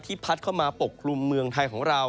พัดเข้ามาปกคลุมเมืองไทยของเรา